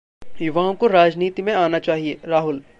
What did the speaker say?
युवाओं को राजनीति में आना चाहिए: राहुल